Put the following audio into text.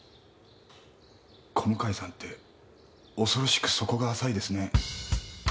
小向さんって恐ろしく底が浅いですね。